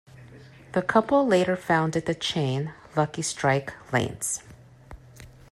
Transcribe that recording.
The couple later founded the chain Lucky Strike Lanes.